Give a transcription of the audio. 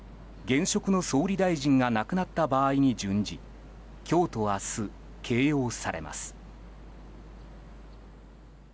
現職の総理大臣が亡くなった場合に準じ今日と明日、掲揚されます。